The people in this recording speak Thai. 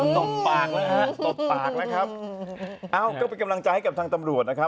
ตบปากนะครับตบปากนะครับเอ้าก็ไปกำลังจ่ายให้กับทางตำรวจนะครับ